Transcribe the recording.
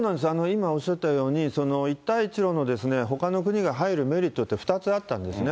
今、おっしゃったように、一帯一路のほかの国が入るメリットって２つあったんですね。